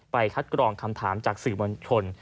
คัดกรองคำถามจากสื่อมวลชน